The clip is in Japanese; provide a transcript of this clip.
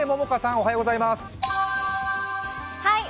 おはようございます。